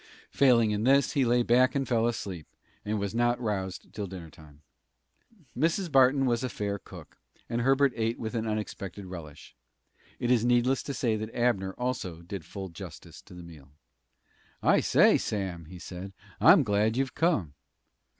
Failing in this, he lay back and fell asleep, and was not roused till dinner time. Mrs. Barton was a fair cook, and Herbert ate with an unexpected relish. It is needless to say that Abner also did full justice to the meal. "I say, Sam," he said, "I'm glad you've come."